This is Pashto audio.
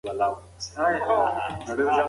د انټرنیټ کارول د علم په ډګر کې یو نوی فصل دی.